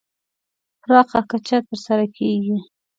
پراخه کچه تر سره کېږي.